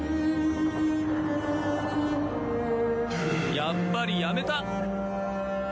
やっぱりやめた！